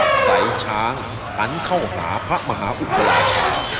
พระองค์กลับไส้ช้างหันเข้าหาพระมหาอุปกรณ์